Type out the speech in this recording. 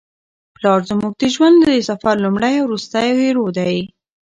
پلار زموږ د ژوند د سفر لومړی او وروستی هیرو دی.